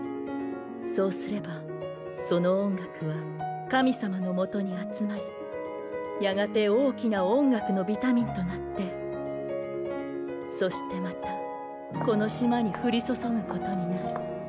そうすればその音楽は神様のもとに集まりやがて大きな音楽のビタミンとなってそしてまたこの島に降り注ぐことになる。